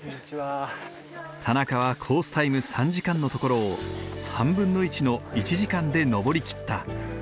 田中はコースタイム３時間のところを1/3の１時間で登り切った。